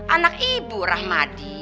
anak ibu rahmadi